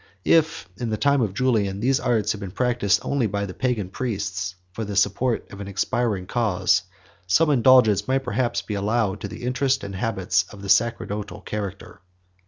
If, in the time of Julian, these arts had been practised only by the pagan priests, for the support of an expiring cause, some indulgence might perhaps be allowed to the interest and habits of the sacerdotal character.